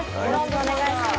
お願いします